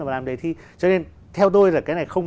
để làm đề thi cho nên theo tôi là